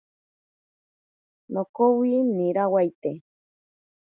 Nokowi nirawaite.